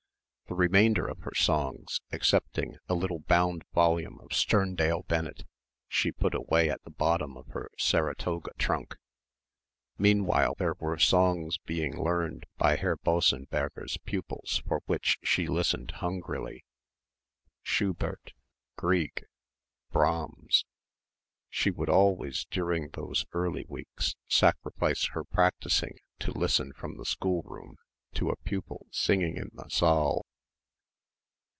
The remainder of her songs, excepting a little bound volume of Sterndale Bennett, she put away at the bottom of her Saratoga trunk. Meanwhile, there were songs being learned by Herr Bossenberger's pupils for which she listened hungrily; Schubert, Grieg, Brahms. She would always, during those early weeks, sacrifice her practising to listen from the schoolroom to a pupil singing in the saal.